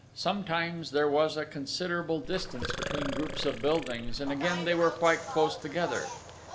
Sometimes there was a considerable distance between groups of buildings, and again they were quite close together.